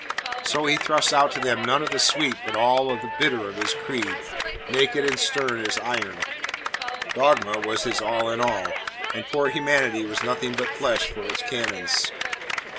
So he thrust out to them none of the sweet but all the bitter of his creed, naked and stern as iron. Dogma was his all in all, and poor humanity was nothing but flesh for its canons.